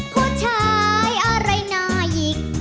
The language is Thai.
ผู้ชายอะไรน่ายิก